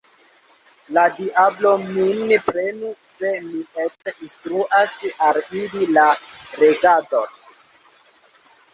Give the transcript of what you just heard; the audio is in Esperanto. La diablo min prenu se mi eĉ instruas al ili la legadon!